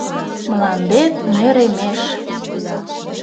Мландет нӧремеш.